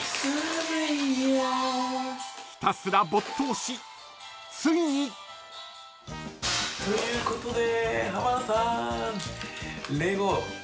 ［ひたすら没頭しついに］ということで。